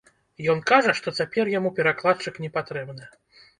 Ён кажа, што цяпер яму перакладчык не патрэбны.